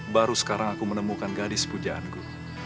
baru sekarang aku menemukan gadis pujaanku